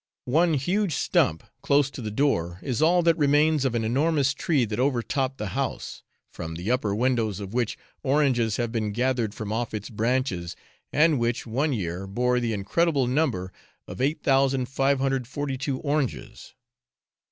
One huge stump close to the door is all that remains of an enormous tree that overtopped the house, from the upper windows of which oranges have been gathered from off its branches, and which, one year, bore the incredible number of 8,542 oranges.